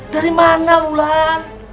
dari mana ular